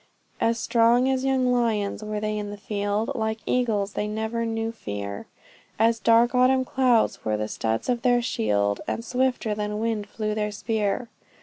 As strong as young lions were they in the field; Like eagles they never knew fear; As dark autumn clouds were the studs of their shield, And swifter than wind flew their spear.